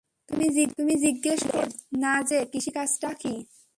তুমি জিজ্ঞেস করেছিলে না যে কৃষিকাজটা কী?